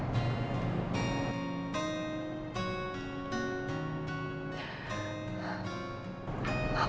cukup dengan kamu hidup terus sayang